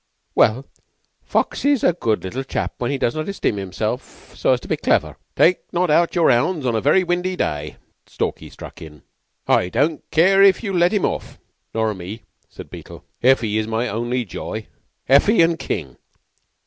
"Well, Foxy's a good little chap when he does not esteem himself so as to be clever." "'Take not out your 'ounds on a werry windy day,'" Stalky struck in. "I don't care if you let him off." "Nor me," said Beetle. "Heffy is my only joy Heffy and King."